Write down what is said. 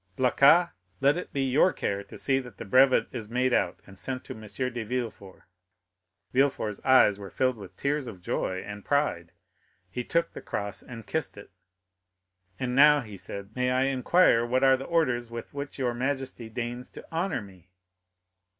Blacas, let it be your care to see that the brevet is made out and sent to M. de Villefort." Villefort's eyes were filled with tears of joy and pride; he took the cross and kissed it. "And now," he said, "may I inquire what are the orders with which your majesty deigns to honor me?"